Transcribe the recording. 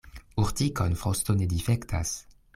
Urtikon frosto ne difektas.